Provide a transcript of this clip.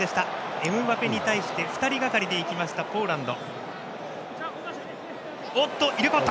エムバペに対して２人がかりで行ったポーランド。